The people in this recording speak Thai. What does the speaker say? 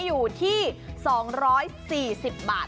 อยู่ที่๒๔๐บาท